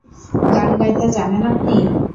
গান গাইতে জানেন আপনি?